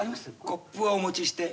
コップお持ちして。